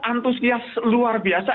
antusias luar biasa